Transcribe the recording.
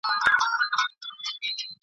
مُلا به څنګه دلته پاچا وای ..